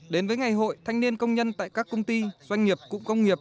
đến với ngày hội thanh niên công nhân tại các công ty doanh nghiệp cụm công nghiệp